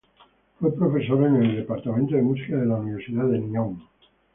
Fue profesor en el Departamento de Música de la Universidad de Nihon.